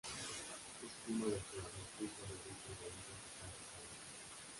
Es primo del jugador suizo de origen gallego Ricardo Cabanas.